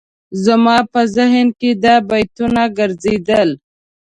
زما په ذهن کې دا بیتونه ګرځېدل.